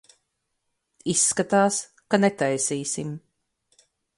Izskatās, ka netaisīsim.